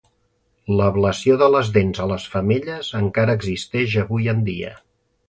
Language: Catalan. L'ablació de les dents a les femelles encara existeix avui en dia.